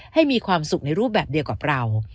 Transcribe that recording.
ให้มีความสุขในรูปแบบเดียวกับเรา